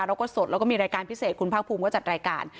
สดแล้วก็มีรายการพิเศษคุณภาคภูมิก็จัดรายการ